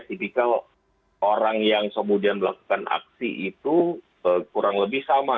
tipikal orang yang kemudian melakukan aksi itu kurang lebih sama